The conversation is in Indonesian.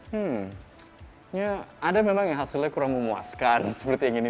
hmm ya ada memang yang hasilnya kurang memuaskan seperti yang ini